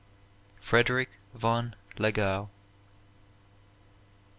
FREDERICK VON LOGAU.